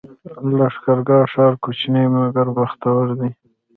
لښکرګاه ښار کوچنی مګر بختور دی